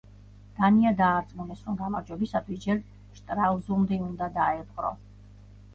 დანია დაარწმუნეს, რომ გამარჯვებისათვის ჯერ შტრალზუნდი უნდა დაეპყრო.